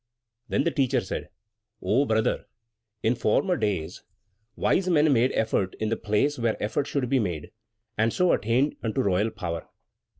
Then the Teacher said: "O Brother, in former days wise men made effort in the place where effort should be made, and so attained unto royal power."